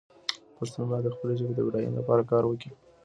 پښتون باید د خپلې ژبې د بډاینې لپاره کار وکړي.